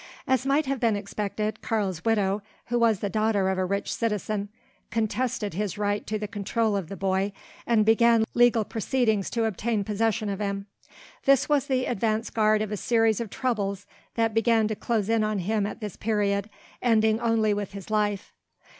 As might have been expected, Karl's widow, who was the daughter of a rich citizen, contested his right to the control of the boy, and began legal proceedings to obtain possession of him. This was the advance guard of a series of troubles that began to close in on him at this period, ending only with his life.